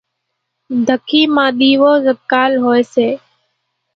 ڌکي مان ۮيوو زڳول ھوئي سي۔